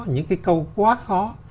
những cái câu quá khó